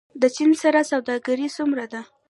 له چین سره سوداګري څومره ده؟